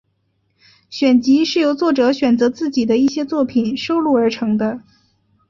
选集是由作者选择自己的一些作品收录而成的。